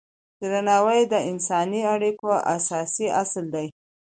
درناوی د انساني اړیکو اساسي اصل دی.